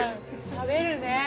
食べるね。